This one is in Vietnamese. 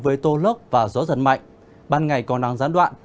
với tô lốc và gió giật mạnh ban ngày còn đang gián đoạn